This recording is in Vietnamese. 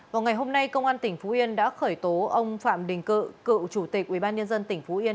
vào ngày hôm nay công an tỉnh phú yên đã khởi tố ông phạm đình cự cựu chủ tịch ubnd tỉnh phú yên